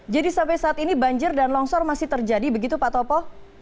jadi sampai saat ini banjir dan longsor masih terjadi begitu pak topo